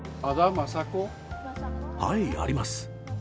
はい、あります。